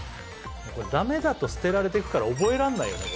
ダメだと捨てられてくから覚えられないよね。